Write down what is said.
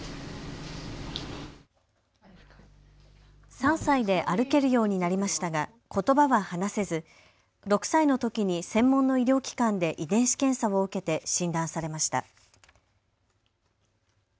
３歳で歩けるようになりましたがことばは話せず６歳のときに専門の医療機関で遺伝子検査を受けて診断されました。